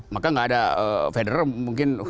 maka gak ada federer mungkin